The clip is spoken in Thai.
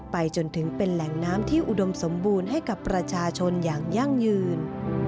ไปจนถึงเป็นแหล่งน้ำที่อุดมสมบูรณ์ให้กับประชาชนอย่างยั่งยืน